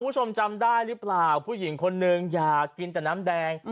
คุณผู้ชมจำได้หรือเปล่าผู้หญิงคนนึงอยากกินแต่น้ำแดง